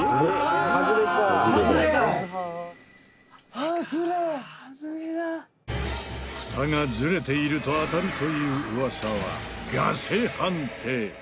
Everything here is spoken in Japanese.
「ハズレ」フタがズレていると当たるという噂はガセ判定。